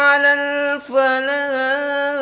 hai ala alfalah